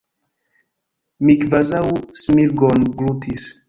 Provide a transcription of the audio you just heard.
Mi kvazaŭ smirgon glutis.